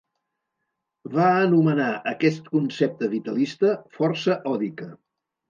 Va anomenar aquest concepte vitalista "força òdica".